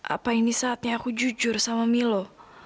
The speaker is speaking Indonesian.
apa ini saatnya aku jujur sama milo